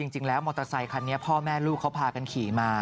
มอเตอร์ไซคันนี้พ่อแม่ลูกเขาพากันขี่มา